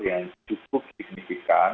yang cukup signifikan